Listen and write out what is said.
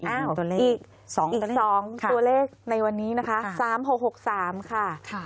อ้าวอีก๒ตัวเลขในวันนี้นะคะ๓๖๖๓ค่ะ๓๖๖๓